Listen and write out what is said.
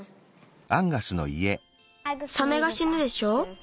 サメがしぬでしょう。